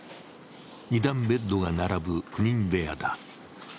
２段ベッドが並ぶ９人部屋だ。